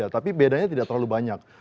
tapi bedanya tidak terlalu banyak